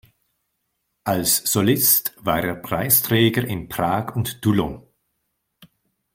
Als Solist war er Preisträger in Prag und Toulon.